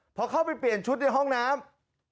พอเข้าไปเปลี่ยนชุดในห้องน้ำ